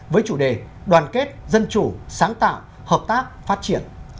với chủ đề đoàn kết dân chủ sáng tạo hợp tác phát triển